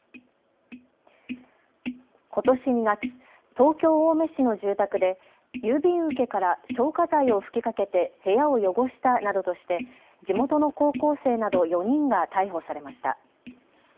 ことし２月、東京青梅市の住宅で郵便受けから消火剤を吹きかけて部屋を汚したなどとして地元の高校生など４人が逮捕されました。